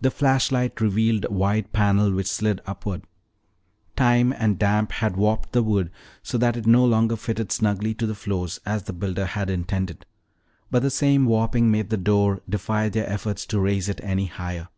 The flashlight revealed a wide panel which slid upward. Time and damp had warped the wood so that it no longer fitted snugly to the floor as the builder had intended. But the same warping made the door defy their efforts to raise it any higher.